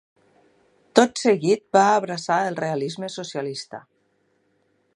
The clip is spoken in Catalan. Tot seguit va abraçar el realisme socialista.